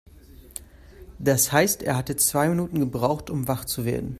Das heißt, er hatte zwei Minuten gebraucht, um wach zu werden.